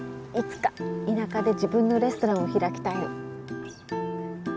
いつか田舎で自分のレストランを開きたいの